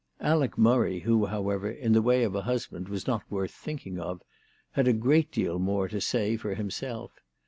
Alec Murray, who, however, in the way of a husband was not worth thinking of, had a great deal more to say for himself.